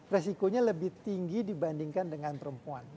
resikonya lebih tinggi dibandingkan dengan perempuan